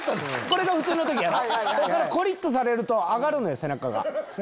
これが普通の時やろコリっとされると上がるの背中。